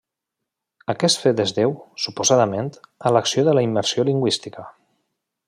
Aquest fet es deu, suposadament, a l'acció de la immersió lingüística.